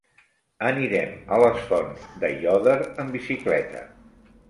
Anirem a les Fonts d'Aiòder amb bicicleta.